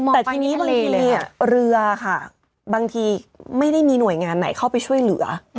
แต่ทีนี้บางทีเรือค่ะบางทีไม่ได้มีหน่วยงานไหนเข้าไปช่วยเหลือ